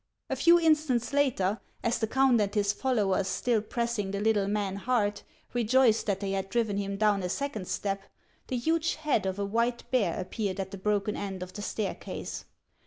A few instants later, as the count and his followers, still pressing the little man hard, rejoiced that they had driven him down a second step, the huge head of a white bear appeared at the broken end of the staircase.